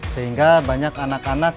sehingga banyak anak anak